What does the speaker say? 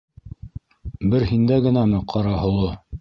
- Бер һиндә генәме ҡара һоло?